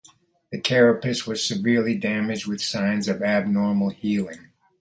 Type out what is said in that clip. The carapace was severely damaged with signs of abnormal healing.